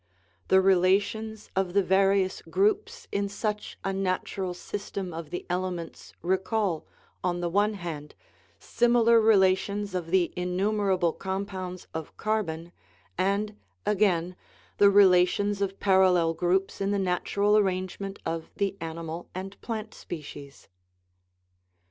The relations of the various groups in such a natural system of the elements recall, on the one hand, similar relations of the innumerable compounds of carbon, and, again, the relations of par allel groups in the natural arrangement of the animal and plant species.